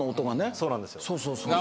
そうそうそうそう